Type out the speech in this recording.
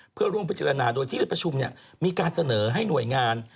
เพื่อร่วมพิจารณาโดยที่ประชุมมีการเสนอให้หน่วยงาน